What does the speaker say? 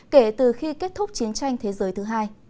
kể từ khi kết thúc chiến tranh thế giới thứ hai